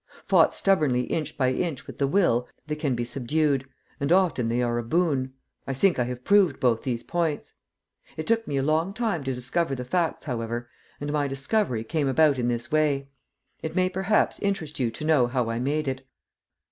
Fought stubbornly inch by inch with the will, they can be subdued, and often they are a boon. I think I have proved both these points. It took me a long time to discover the facts, however, and my discovery came about in this way. It may perhaps interest you to know how I made it.